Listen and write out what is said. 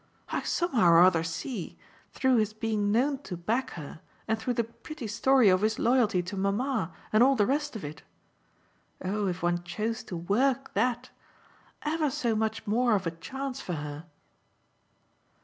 I somehow or other see, through his being known to back her and through the pretty story of his loyalty to mamma and all the rest of it (oh if one chose to WORK that!) ever so much more of a chance for her."